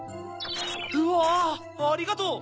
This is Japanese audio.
うわありがとう！